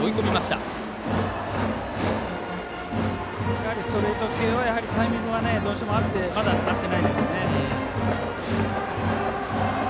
やはりストレート系はタイミングはまだ合ってないですよね。